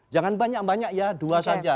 jangan banyak banyak ya dua saja